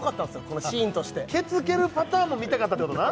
このシーンとしてケツ蹴るパターンも見たかったってことな？